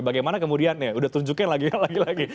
bagaimana kemudian ya udah tunjukin lagi lagi